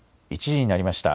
１時になりました。